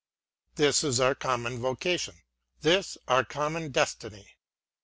This is our common vocation, — this our common destiny.